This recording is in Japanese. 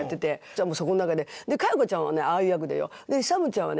そこの中で「加世子ちゃんはねああいう役でよ」。